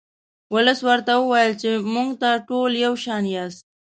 ولس ورته وویل چې موږ ته ټول یو شان یاست.